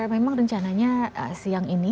memang rencananya siang ini